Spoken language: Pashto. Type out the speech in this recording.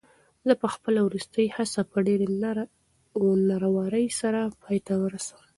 زه به خپله وروستۍ هڅه په ډېرې نره ورۍ سره پای ته ورسوم.